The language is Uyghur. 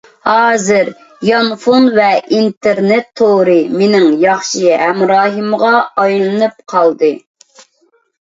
ھازىر يانفون ۋە ئىنتېرنېت تورى مېنىڭ ياخشى ھەمراھىمغا ئايلىنىپ قالدى.